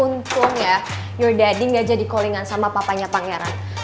untung ya your daddy gak jadi callingan sama papanya pangeran